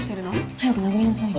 早く殴りなさいよ